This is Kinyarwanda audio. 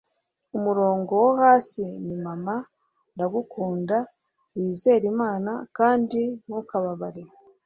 umurongo wo hasi ni mama, ndagukunda, wizere imana, kandi ntukababare